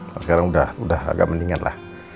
kalau sekarang udah agak mendingan lah